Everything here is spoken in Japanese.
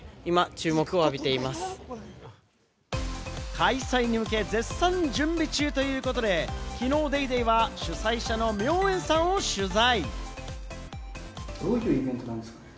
開催に向け、絶賛準備中ということで、きのう『ＤａｙＤａｙ．』は主催者の明円さんを取材。